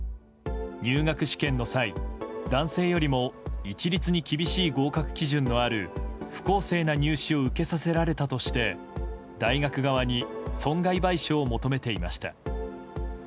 入学試験の際、男性よりも一律に厳しい合格基準のある不公正な入試を受けさせられたとして大学側に損害賠償を求めていました。